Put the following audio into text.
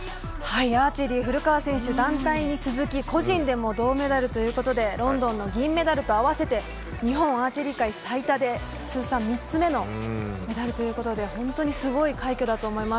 アーチェリー、古川選手団体に続き個人でも銅メダルということでロンドンの銀メダルと合わせて日本アーチェリー界最多で通算３つ目のメダルということで本当にすごい快挙だと思います。